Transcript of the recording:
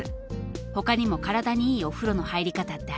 他にも体にいいお風呂の入り方ってありますか？